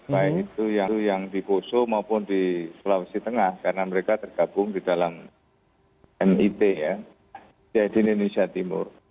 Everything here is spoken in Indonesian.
baik itu yang di poso maupun di sulawesi tengah karena mereka tergabung di dalam mit ya jahidin indonesia timur